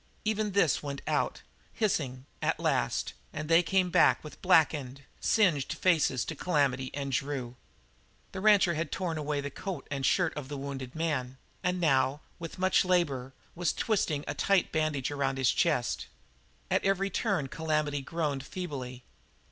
Even this went out, hissing, at last, and they came back with blackened, singed faces to Calamity and Drew. The rancher had torn away the coat and shirt of the wounded man, and now, with much labour, was twisting a tight bandage around his chest. At every turn Calamity groaned feebly.